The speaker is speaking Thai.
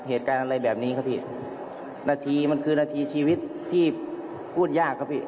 เหตุการณ์อะไรแบบนี้ครับพี่นาทีมันคือนาทีชีวิตที่พูดยากครับพี่